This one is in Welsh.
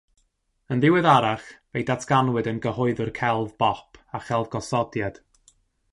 Yn ddiweddarach fe'i datganwyd yn gyhoeddwr celf bop a chelf gosodiad.